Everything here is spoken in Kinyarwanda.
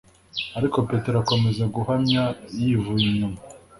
Ariko Petero akomeza guhamya yivuye inyuma